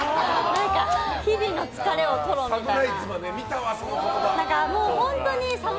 日々の疲れを吐露みたいな。